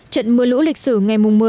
trận mưa lũ lịch sử ngày mùng một